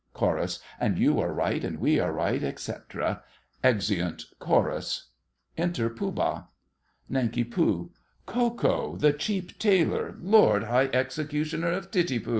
CHORUS. And you are right, And we are right, etc. [Exeunt Chorus. Enter Pooh Bah. NANK. Ko Ko, the cheap tailor, Lord High Executioner of Titipu!